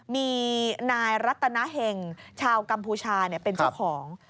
มีนายรัตนาเห็งชาวกัมพูชาเป็นเจ้าของ